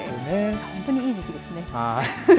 本当にいい時期ですね。